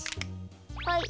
はい。